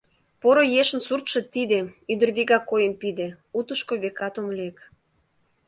«Поро ешын суртшо тиде, Ӱдыр вигак ойым пиде, Утышко, векат, ом лек